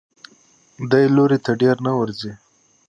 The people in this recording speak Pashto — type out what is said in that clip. دې لوري ته ډېر نه ورځي.